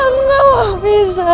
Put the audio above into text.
aku gak mau berpisah